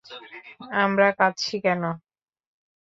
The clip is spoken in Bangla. আমরা কাঁদছি কেন?